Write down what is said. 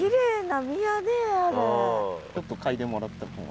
ちょっと嗅いでもらった方が。